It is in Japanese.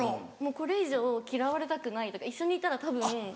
これ以上嫌われたくないとか一緒にいたらたぶんどんどん。